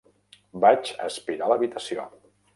Vaig aspirar l'habitació.